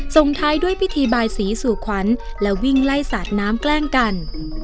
ส่งท้ายด้วยพิธีบายสีสู่ขวัญและวิ่งไล่สาดน้ำแกล้งกัน